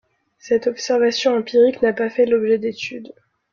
Cette observation empirique n'a pas fait l'objet d'études.